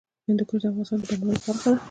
هندوکش د افغانستان د بڼوالۍ برخه ده.